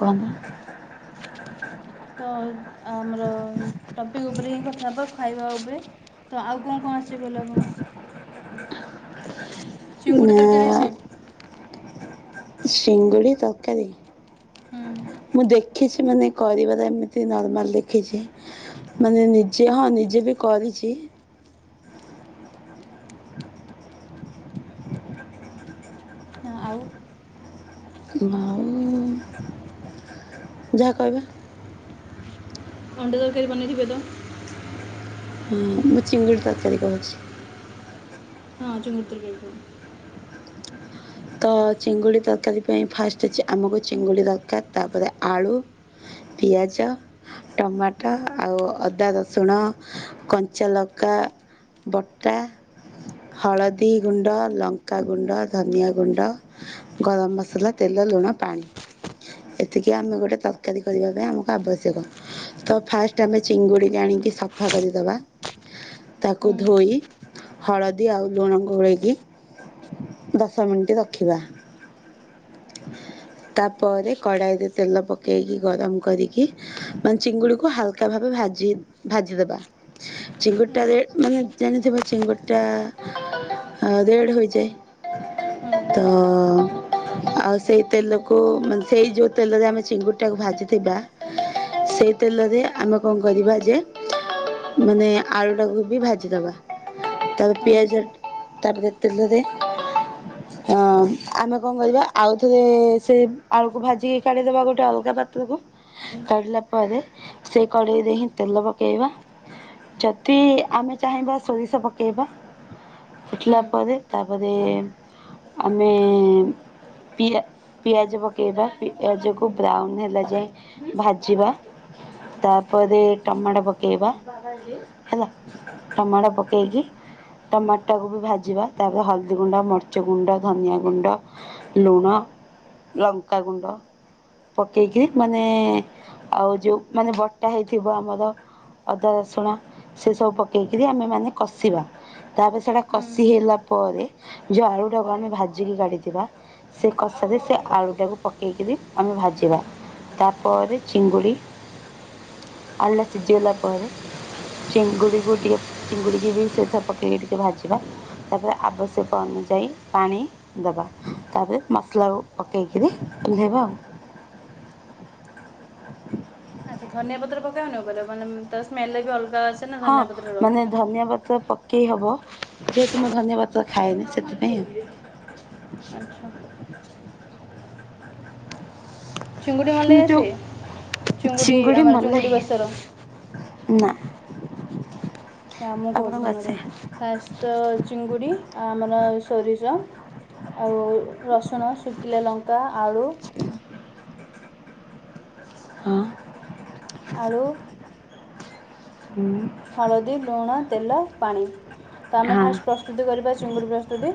କଁ। ତ ଆମର ଟପିକ ଉପରେ ହିଁ କଥା ହେବା ଖାଇବା ଉପରେ। ତ ଆଉ କଣ କଣ ଆସିଗଲା ଆପଣଙ୍କୁ? ହ ଚିଙ୍ଗୁଡି ତରକାରୀ ଆସେ। ଶିଙ୍ଗୁଡି ତରକାରୀ। ହଁ ମୁଁ ଦେଖିଛି ମାନେ କରିବାର ଏମିତି ନର୍ମାଲ ଦେଖିଛି। ମାନେ ନିଜେ ହଁ ନିଜେ ବି କରିଚି। ହଁ ଆଉ। ଆଉ ଯାହା କହିବେ? ଅଣ୍ଡା ତରକାରୀ ବନେଇଥିବେ ତ? ହଁ ମୁଁ ଚିଙ୍ଗୁଡି ତରକାରୀ କରୁଛି। ହଁ ଚିଙ୍ଗୁଡି ତରକାରୀ କରିବି। ତ ଚିଙ୍ଗୁଡ଼ି ତରକାରୀ ପାଇଁ ଫାଷ୍ଟ ଅଛି ଆମକୁ ଚିଙ୍ଗୁଡ଼ି ଦରକାର ତାପରେ ଆଳୁ। ପିଆଜ। ଟମାଟୋ ଆଉ ଅଦା ରସୁଣ କଞ୍ଚା ଲକା। ବଟା ହଳଦୀ ଗୁଣ୍ଡ ଲଙ୍କାଗୁଣ୍ଡ ଧନିଆ ଗୁଣ୍ଡ ଗରମ ମସଲା ତେଲ ଲୁଣ ପାଣି। ଏତିକି ଆମେ ଗୋଟେ ତରକାରୀ କରିବା ପାଇଁ ଆମକୁ ଆବଶ୍ୟକ। ତ ଫାଷ୍ଟେ ଆମେ ଚିଙ୍ଗୁଡିକି ଆଣିକି ସଫା କରିଦବା। ତାକୁ ଧୋଇ ହଳଦୀ ଆଉ ଲୁଣ ଗୋଳେଇକି ଦଶ ମିନିଟି ରଖିବା। ତାପରେ କ଼ଢିଇରେ ତେଲ ପକେଇକି ଗରମ କରିକି। ମାନେ ଚିଙ୍ଗୁଡିକୁ ହାଲକା ଭାବେ ଭାଜି ଭାଜିଦବା। ହଁ ଚିଙ୍ଗୁଟାାରେ ମାନେ ଜାଣିଥିବ ଚିଙ୍ଗୁଟା। ଦେଢ ହଁ ହୋଇଯାଏ ତ [unintelligible] ଆଉ ସେଇ ତେଲକୁ ମାନେ ସେଇ ଯେଉଁ ତେଲରେ ଆମେ ଚିଙ୍ଗୁଡ଼ିଟାକୁ ଭାଜିଥିବା। ସେଇ ତେଲରେ ଆମେ କଣ କରିବା ଯେ ମାନେ ଆଳୁଟାକୁ ବି ଭାଜିଦବା। ତା ହଁ ପିଆଜର ତାପ [unintelligible] ତ ଅ ଆମେ କଣ କରିବା। ଆଉ ଥରେ ସେ ଆଳୁକୁ ଭାଜିକି କାଢିଦବା ଗୋଟେ ଅଲଗା ପାତ୍ରକୁ। କାଡିଲା ପରେ ସେ କଢେଇରେ ହିଁ ତେଲ ପକେଇବା। ଯଦି ଆମେ ଚାହିଁବା ସୋରିଷ ପକେଇବା। ଫୁଟିଲା ହଁ ପରେ ତାପରେ ଆମେ। ପିଆ ପିଆଜ ପକାଇବା ପିଆଜକୁ ବ୍ରାଉନ୍ ହେଲା ଯାଏ ଭାଜିବା। ତାପରେ ଟମାଟୋ ପକେଇବା ହେଲା। ଟମାଟ ପକେଇକି। ଟମାଟୋକୁ ବି ଭାଜିବା ତାପରେ ହଳଦୀ ଗୁଣ୍ଡା, ମର୍ଚ୍ଚ ଗୁଣ୍ଡା, ଧନିଆ ଗୁଣ୍ଡା ଲୁଣ ଲଙ୍କାଗୁଣ୍ଡ ପକେଇକି ମାନେ ଆଉ ଯୋଉ ମାନେ ବଟା ହେଇଥିବ ଆମର। ଅଦା ରସୁଣ ସେସବୁ ପକେଇକିରି ଆମେମାନେ କଷିବା। ତାପରେ ସେଇଟା ହଁ କଷି ହେଲା ପରେ ଯେଉଁ ଆଳୁଟାକୁ ଆମେ ଭାଜିକି କାଢ଼ିଥିବା। ସେ କଷାାରେ ସେ ଆଳୁ ଟାକୁ ପକେଇକିରି ଆମେ ଭାଜିବା। ତାପରେ ଚିଙ୍ଗୁଡ଼ି ଆଳୁ ଟା ସିଜି ଗଲା ପରେ। ଚିଙ୍ଗୁଡିକୁ ଟିକେ ଚିଙ୍ଗୁଡିିକ ବି ସେଥିରେ ପକେଇକି ଟିକେ ଭାଜିବା। ତାପରେ ଆବଶ୍ୟକ ଅନୁଯାୟୀ ପାଣି ଦବା। ତାପରେ ମସଲାକୁ ପକେଇକିରି ଓଲେଇବା ଆଉ। ଆଚ୍ଛା ଧନିଆ ପତ୍ର ପକବନି ଉପ ମାନେ ତାର ସ୍ମେଲ ବି ଅଲଗା ଅଛି। ହଁ ମାନେ ଧନିଆ ପତ୍ର ପକେଇ ହବ ଯେହେତୁ ମୁଁ ଧନିଆ ପତ୍ର ଖାଏନି ସେଥିପାଇଁ। ଆଚ୍ଛା। ଚିଙ୍ଗୁଡି ମଲେଇ ଯୋଉ ଆସେ ଚିଙ୍ଗୁଡି ଚିଙ୍ଗୁଡ଼ି ଆମର ମଲାଇ ଚୁଙ୍ଗୁଡି ବେଶର। ନା। ଆ ମୁଁ କହୁଛି ଆପଣଙ୍କୁ ଆସେ? ଶୁଣନ୍ତୁ ଫାଷ୍ଟ ତ ଚିଙ୍ଗୁଡ଼ି ଆ ଆମର ସୋରିଷ। ଆଉ ରସୁଣ ଶୁଖିଲା ଲଙ୍କା ଆଳୁ। ହଁ ଆଳୁ ହୁଁ। ହଳଦୀ ଲୁଣ ତେଲ ପାଣି ତ ଆମେ ହଁ ଫାଷ୍ଟ ପ୍ରସ୍ତୁତି କରିବା ଚିଙ୍ଗୁଡ଼ି ପ୍ରସ୍ତୁତି।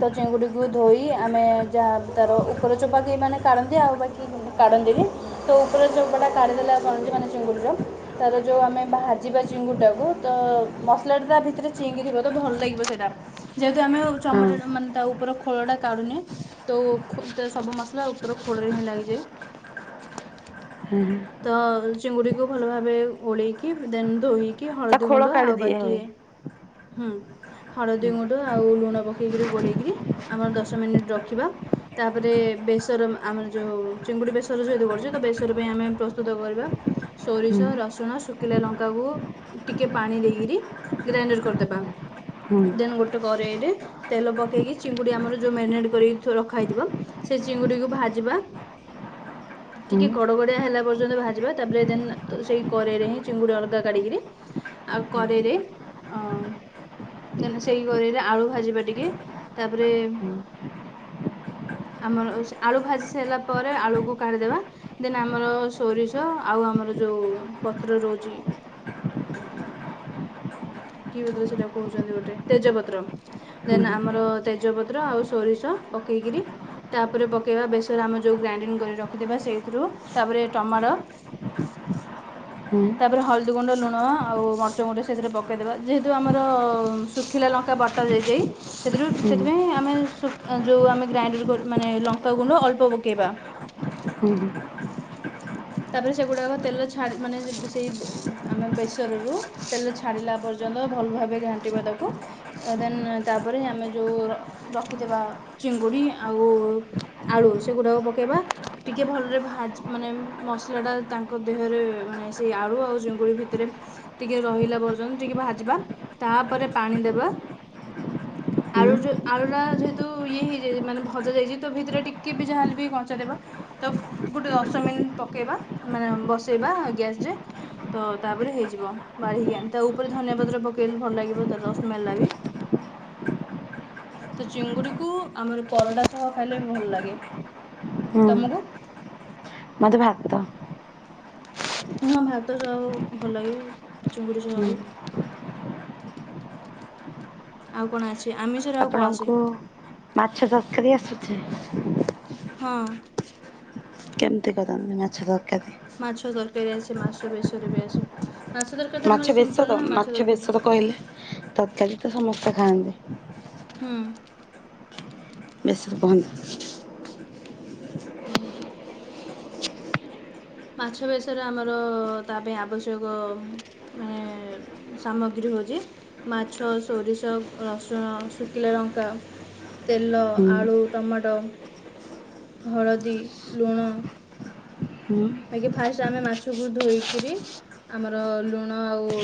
ତ ଚିଙ୍ଗୁଡ଼ିକୁ ଧୋଇ ଆମେ ଯାହା ତାାର ଉପର ଚୋପାକି ମାନେ। କାଢ଼ନ୍ତି ଆଉ ବାକି କାଢ଼ନ୍ତି ବି। ତୋ ଉପରେ ଯଉ ଚୋପାଟା କାଢ଼ିଦେଲେ [unintelligible] ମାନେ ଚିଙ୍ଗୁଡ଼ିର ତାର ଯୋଉ ଆମେ ବାହାର ଯିବା ଚିଙ୍ଗୁଡ଼ି ଟାକୁ ତ ମସଲାଟା ତା ଭିତରେ ଚିଙ୍ଗି ଥିବ ତ ଭଲ ଲାଗିବ ସେଇଟା। ଯେହେତୁ ଆମେ ହଁ ଚମଡା ଟା ମାନେ ତା ଉପର ଖୋଳ ଖୋଳଟା କାଢୁନେ ତୋ ତ ସବୁ ମସଲା ଉପର ଖୋଳରେ ହିଁ ଲାଗିଯାଏ। ହଁ ହଁ ତ ଚିଙ୍ଗୁଡ଼ିକୁ ଭଲ ଭାବେ ଗୋଳେଇକି ଦେନ୍ ଧୋଇ କି ତା ହଳଦୀ ଖୋଳ ଗୁଣ୍ଡ କାଢି ଆଉ ଦିଆ ବାକି ହୁଏ। ହୁଁ ହଳଦୀ ଗୁଣ୍ଡ ଆଉ ଲୁଣ ପକେଇକିରି ଗୋଳେଇକିରି ଆମର ଦଶ ମିନିଟ୍ ରଖିବା। ତାପରେ ବେସର ଆମର ଯଉ ଚିଙ୍ଗୁଡ଼ି ବେସର ଯେହେତୁ କରୁଚୁ ତ ବେସର ପାଇଁ ଆମେ ପ୍ରସ୍ତୁତ କରିବା ସୋରିଷ, ହୁଁ ରସୁଣ, ଶୁଖ ଖିଲା ଲଙ୍କାକୁ ଟିକେ ପାଣି ଦେଇକିରି ଗ୍ରାଇଣ୍ଡର୍ କରିଦେବା ହୁଁ ଦେନ୍ ଗୋଟ କରେଇରେ ତେଲ ପକେଇକି ଚିଙ୍ଗୁଡି ଆମର ଯଉ ମ୍ୟାରିନେଟ୍ କରିକି ଥୋ ରଖା ହେଇଥିବ ସେ ଚିଙ୍ଗୁଡ଼ିକୁ ଭାଜିବା [unintelligible] ଟିକେ କଡ଼କଡ଼ିଆ ହେଲା ପର୍ଯ୍ୟନ୍ତ ଭାଜିବା। ତାପରେ ଦେନ୍ ସେଇ କରେଇରେ ହିଁ ଚିଙ୍ଗୁଡ଼ି ଅଲଗା କାଢ଼ିକିରି ଆଉ କରେଇରେ ଅଂ ଦେନ୍ ସେଇ କରେଇରେ ଆଳୁ ଭାଜିବା ଟିକେ ତାପରେ ହୁଁ ଆମର ସେ ଆଳୁ ଭାଜି ସାରିଲା ପରେ ଆଳୁକୁ କାଢ଼ିଦେବା ଦେନ୍ ଆମର ସୋରିଷ ଆଉ ଆମର ଯଉ ପତ୍ର ରହୁଚି [inaudible] କି ପତ୍ର ସେଟାକୁ କହୁଚନ୍ତି ଗୋଟେ ତେଜପତ୍ର। ହୁଁ ଦେନ୍ ଆମର ତେଜପତ୍ର ଆଉ ସୋରିଷ ପକେଇକିରି ତାପରେ ପକେଇବା ବେସର ଆମେ ଯଉ ଗ୍ରାଇଣ୍ଡିଙ୍ଗ କରି ରଖିଥିବା ସେଇଥିରୁ। ତାପରେ ଟମାଟ [inaudible] ତାପରେ ହଳଦୀ ଗୁଣ୍ଡ, ଲୁଣ ଆଉ ମର୍ଚ ଗୋଟେ ସେଥିରେ ପକେଇଦେବା ଯେହେତୁ ଆମର ଶୁଖିଲା ଲଙ୍କା ବଟା ଯେଇ ଯେଇ ସେଥିରୁ ହୁଁ ସେଥିପାଇଁ ଆମେ ଶୁଖ ଯଉ ଆମେ ଗ୍ରାଇଣ୍ଡର କର ମାନେ ଲଙ୍କାଗୁଣ୍ଡ ଅଳ୍ପ ପକେଇବା। ହଁ ହଁ ତାପରେ ସେଗୁଡ଼ାକ ତେଲ ଛାଡ଼ି ମାନେ ସେଇ ଆମେ ବେସରରୁ ତେଲ ଛାଡ଼ିଲା ପର୍ଯ୍ୟନ୍ତ ଭଲ ଭାବେ ଘାଣ୍ଟିବ ତାକୁ। ଦେନ୍ ତାପରେ ଆମେ ଯଉ ର ରଖିଥିବା ଚିଙ୍ଗୁଡ଼ି ଆଉ ଆଳୁ ସେଗୁଡ଼ାକ ପକେଇବା ଟିକଏ ଭଲରେ ଭାଜି ମାନେ ମସଲା ଟା ତାଙ୍କ ଦେହରେ ମାନେ ସେଇ ଆଳୁ ଆଉ ଚିଙ୍ଗୁଡ଼ି ଭିତରେ ଟିକେ ରହିଲା ପର୍ଯ୍ୟନ୍ତ ଟିକେ ଭାଜବା ତାପରେ ପାଣି ଦେବା। [unintelligible] ଆଳୁ ଟ ଆଳୁ ଟା ଯେହେତୁ ଇଏ ହେଇଯାଇ ମାନେ ଭଜା ଯାଇଚି ତ ଭିତରେ ଟିକେ ବି ଯାହା ହେଲେ ବି କଞ୍ଚା ଥିବ। ତ ଗୁଟେ ଦଶ ମିନିଟ୍ ପକେଇବା ମାନେ ବସେଇବା ଗ୍ୟାସରେ ତ ତାପରେ ହେଇଯିବ ବାଢ଼ିକି ଆଣି ତା ଉପରେ ଧନିଆ ପତ୍ର ପକେଇଲେ ଭଲ ଲାଗିବ ତାର ସ୍ମେଲ୍ ଟା ବି। ତ ଚିଙ୍ଗୁଡ଼ିକୁ ଆମର ପରଟା ସହ ଖାଇଲେ ବି ଭଲ ଲାଗେ। ହୁଁ ତମକୁ ମତେ ଭାତ ହଁ ଭାତ ସହ ଭଲ ଲାଗେ ଚିଙ୍ଗୁଡ଼ି ଝୋଳ ହୁଁ ବି। ଆଉ କଣ ଆଛି ଆପଣଙ୍କୁ ମାଛ ତରକାରି ଆସିଛି? ହଁ କେମତି କରନ୍ତି ମାଛ ତରକାରି? ମାଛ ତରକାରି ଆସେ ମାଛ ବେସରେ ବି ଆସେ। ମାଛ ତରକାରୀ ତ ଆମର ମାଛ ସିମ୍ପଲ୍ ବେସର ନା ମାଛ ତରକାରୀ ବେସର କହିଲେ ତରକାରି ତ ସମସ୍ତେ ଖାଆନ୍ତି। ହୁଁ ବେସର [inaudible] ରଉଛି ମାଛ ବେସର ଆମର ତା ପାଇଁ ଆବଶ୍ୟକ ମେ ସାମଗ୍ରୀ ହଉଛି ମାଛ, ସୋରିଷ, ରସୁଣ, ଶୁଖିଲା ଲଙ୍କା। ତେଲ, ହୁଁ ଆଳୁ, ଟମାଟୋ, ହଳଦୀ, ଲୁଣ ହୁଁ ବାକି ଫାଷ୍ଟ ଆମେ ମାଛକୁ ଧୋଇକିରି ଆମର ଲୁଣ ଆଉ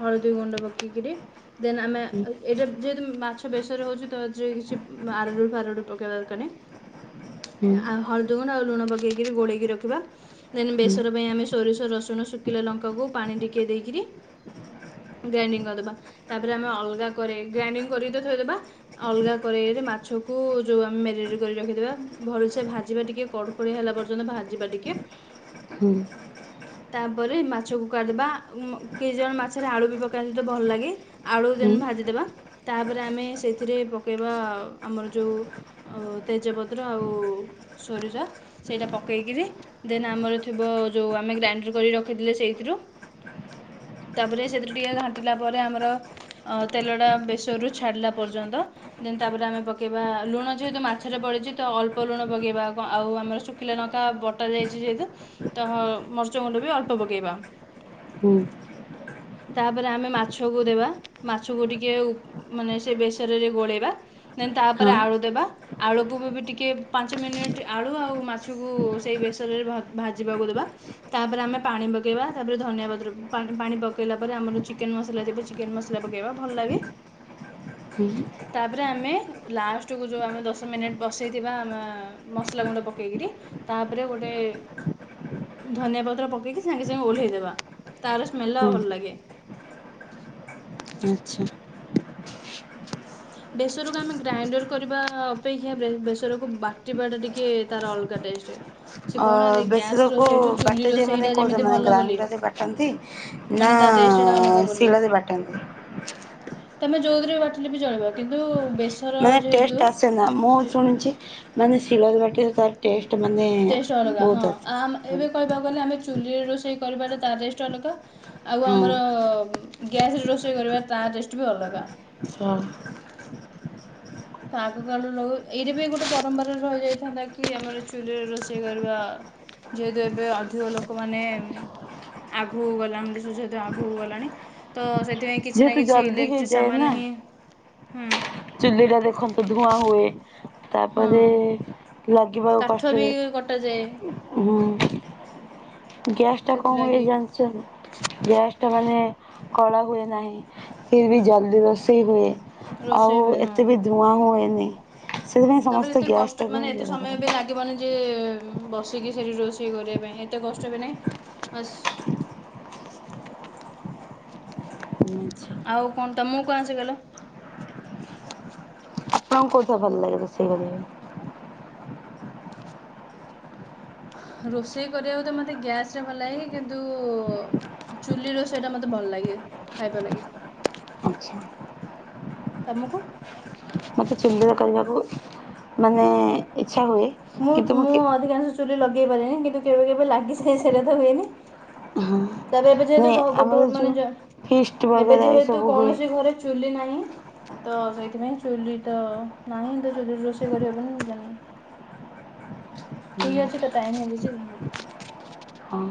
ହଳୁଦ ଗଣ୍ଡ ପକେଇକିରି ଦେନ୍ ଆମେ ହୁଁ ଏଇଟା ଯେହେତୁ ମାଛ ବେଶରେ ହଉଛିୁ ତ କିଛି ଆରଡ଼ୁ ଫାରଡ଼ୁ ପକେଇବା ଦ କରି ହୁଁ ଆଉ ହଳଦୀ ଗୁଣ୍ଡ ଆଉ ଲୁଣ ପକେଇକି ଗୋଳେଇକି ରଖ୍ ଖିବା ଦେନ୍ ହୁଁ ବେସର ପାଇଁ ଆମେ ସୋରିଷ ରସୁଣ ଶୁଖିଲା ଲଙ୍କାକୁ ପାଣି ଟିକେ ଦେଇକିରି ଗ୍ରାଇଣ୍ଡିଙ୍ଗ କରିଦେବା। ତାପରେ ଆମେ ଅଲଗା କରେଇ ଗ୍ରାଇଣ୍ଡିଙ୍ଗ କରିକି ତ ଥୋଇଦେବା। ଅଲଗା କରେଇରେ ମାଛକୁ ଯୋଉ ଆମେ ମେଗିନେଟ କରି ରଖିବା ଭଲସେ ଭାଜିବା ଟିକେ କଡ୍ ପଡି ହେଲା ପର୍ଯ୍ୟନ୍ତ ଭାଜିବା ଟିକେ। [inaudible] ତାପରେ ମାଛକୁ କାଢବା କେହି ଜଣ ମାଛରେ ଆଳୁ ବି ପକାଇନ୍ତି ତ ଭଲ ଲାଗେ। ଆଳୁ ଦେନ ହୁଁ ଭାଜିଦବା ତାପରେ ଆମେ ସେଇଥିରେ ପକେଇବା ଆମର ଯେଉ ଆଉ ତେଜପତ୍ର ଆଉ ସୋରିର ସେଇଟା ପକ୍ କେଇକିରି ଦେନ୍ ଆମର ଥିବ ଯୋଉଁ ଆମେ ଗ୍ରାଇଣ୍ଡର କରି ରଖିଥିଲେ ସେଇଥିରୁ ତାପରେ ସେଥିରେ ଟିକେ ଘାଣ୍ଟିଲା ପରେ ଆମର ଅ ତେଲଟା ବେସରୁ ଛାଡ଼ିଲା ପର୍ଯ୍ୟନ୍ତ। ଦେନ ତାପରେ ଆମେ ପକେଇବା ଲୁଣ ଯେହେତୁ ମାଛରେ ପଡିଛି ତ ଅଳ୍ପ ଲୁଣ ପକେଇବା ଆଉ ଆମର ଶୁଖିଲା ନ ତ ବଟା ଯାଇଛି ଯଦି ତ ମର୍ଚ ଗୁଣ୍ଡ ବି ଅଳ୍ପ ପକେଇବା। ହୁଁ। ତାପରେ ଆମେ ମାଛକୁ ଦେବା ମାଛକୁ ଟିକେ ଉ ମାନେ ସେ ବେସରରେ ଗୋଳେଇବା। ଦେନ ହଁ ତାପରେ ଆଳୁ ଦେବା। ଆଳୁକୁ ଟିକେ ପାଞ୍ଚ ମିନିଟ ଆଳୁ ଆଉ ମାଛ କୁ ସେଇ ବେସରରେ ଭାଜିବାକୁ ଦେବା। ତାପରେ ଆମେ ପାଣି ପକାଇବା ତାପରେ ଧନିଆ ପତ୍ର ପା ପାଣି ପକାଇଲା ପରେ ଆମର ଯୋଉ ଚିକେନ୍ ମସଲା ଥିବ ଚିକେନ ମସଲା ପକେଇବା ଭଲ ଲାଗେ। [inaudible] ତାପରେ ଆମେ ଲାଷ୍ଟକୁ ଯୋଉ ଆମେ ଦଶ ମିନିଟ୍ ବସାଇଥିବା ଆମ ମସଲା ଗୁଣ୍ଡ ପକେଇକରି ତାପରେ ଗୋଟେ ଧନିଆ ପତ୍ର ପକେଇକି ସାଙ୍ଗେ ସାଙ୍ଗେ ଓହ୍ଲେଇଦେବା। ତାର ହୁଁ [unintelligible] ଭଲ ଲାଗେ। ଆଚ୍ଛା। ବେସରକୁ ଆମେ ଗ୍ରାଇଣ୍ଡର କରିବା ଅପେକ୍ଷା ବେସରକୁ ବାଟିବାଟା ଟିକେ ତାର ଅଲଗା ଟେଷ୍ଟ। ସେ ଅ କହୁନାହାନ୍ତି ଗ୍ୟାସ୍ ବେଶର କୁୁ ରୋଷେଇଠୁ ଚୁଲି ବାଟ ଯେ ମାନେ ରୋଷେଇଟା କୋଉ ଯେମିତି ମାନେ ଭଲ ବୋଲି। ଗ୍ରାଇଣ୍ଡର ରେ ବାଟନ୍ତି? ନା ମାନେ ତା ଟେଷ୍ଟଟା ଅଲଗା ବୋଲି। ଶିଳ ରେ ବାଟନ୍ତି? ତମେ ଯୋଉଦିରେ ବାଟିଲେ ବି ଜଳିବ କିନ୍ତୁ ବେଶ୍ ମାନେ ଟେଷ୍ଟ ଆସେ ନା ମୁଁ ଶୁଣିଛି ମାନେ ଶିଳର ବାଟରେ ତାର ଟେଷ୍ଟ ମାନେ ଟେଷ୍ଟ ଅଲଗା ହଁ ବହୁତ ଆସେ। ଏବେ କହିବାକୁ ଗଲେ ଆମେ ଚୁଲିରେ ରୋଷେଇ କରିବା ତା ଟେଷ୍ଟ ଅଲଗା। ଆଉ ହଁ ଆମର ଗ୍ୟାସରେ ରୋଷେଇ କରିବା ତା ଟେଷ୍ଟ ବି ଅଲଗା। ହଁ। ତା ଆଗ କାଳରୁ ଏଇଟା ବି ଗୋଟେ ପରମ୍ପରାରେ ରହିଯାଇଥାନ୍ତା କି ଆମର ଚୁଲିରେ ରୋଷେଇ କରିବା ଯେହେତୁ ଏବେ ଅଧିକ ଲୋକମାନେ ଆଗ ହଉ ଗଲାତୁ ଆଗ ହଉ ଗଲାଣି। ତ ସେ ସେଥିପାଇଁ କିଛି ନା ଯେହେତୁ କିଛି ଜଲ୍ଦି ଇଲେକ୍ଟ୍ରିକ ହେଇଯାଏ ସାମାନ ହିଁ, ହୁଁ। ଚୁଲିରେ ଦେଖନ୍ତୁ ଧୂଆଁ ହୁଏ। ହଁ ତାପରେ ଲାଗିବାକୁ କାଠ ବି କଷ୍ଟରେ କଟାଯାଏ ହୁଁ ଗ୍ୟାସ ଟା କଣ ହୁଏ ସେଥିଲାଗି ଯା ସେ ଗ୍ୟାସ ଟା ମାନେ କଳା ହୁଏ ନାହିଁ। ଫିର୍ ବି ଜଲଦି ରୋସେଇ ହୁଏ। ଆଉ ରୋଷେଇ ହୁଏ ହଁ ଏତେ ବି ଧୂଆଁ ହୁଏନି ସେଥିପାଇଁ ତାପରେ ସମସ୍ତେ ଏତେ କଷ୍ଟ ଗ୍ୟାସ୍ଟାକୁ ମାନେ ହିଁ ଏତେ ବ୍ୟବହାର ସମୟ ବି କରନ୍ତି। ଲାଗିବନି ଯେ ବସିକି ସେଠି ରୋଷେଇ କରିବା ପାଇଁ ଏତେ କଷ୍ଟ ବି ନାହିଁ ବାସ୍ ମିଛ। ଆଉ କଣ ତମକୁ କଣ ଆସେ କହିଲ? ଆପଣଙ୍କୁ କଉଥେ ଭଲ୍ ଲାଗେ ରୋଷେଇ କରିବା? ରୋଷେଇ କରିବାକୁ ତ ମୋତେ ଗ୍ୟାସ୍ରେ ଭଲ ଲାଗେ କିନ୍ତୁ ଚୁଲିି ରୋଷେଇ ଟା ମୋତେ ଭଲ ଲାଗେ ଖାଇବା ଲାଗି। ଆଚ୍ଛା। ତମକୁ? ମୋତେ ଚୁଲିରେ କରିବାକୁ ମାନେ ଇଚ୍ଛା ହୁଏ। ମୁଁ ମୁଁ ଅଧିକାଂଶ ଚୁଲି ଲଗେଇ ପାରେନି କିନ୍ତୁ କେବେ କେବେ ଲାଗିଯାଇ ସେଟା ତ ହୁଏନି। ହଁ ତାପରେ ଏବେ ଯେହେତୁ ନାଇଁ ଘ ଗୋଟେ ଆମର ଗୋଟ୍ ମାନେ ଯୋଉ ଯା ଫିଷ୍ଟ ଏବେ ବଗେରା ଏ ଯେହେତୁ ସବୁ ହୁଏ କୌଣସି ଘରେ ଚୁଲି ନାହିଁ। ତ ସେଇଥିପାଇଁ ଚୁଲି ତ ନାହିଁ ତ ଚୁଲିରେ ରୋଷେଇ କରିବ କେମିତି ଜାଣିନି। ଠିକ୍ ଅଛି ତ ଟାଇମ୍ ହେଇଯାଇଛି ରଖୁଛି। ହଁ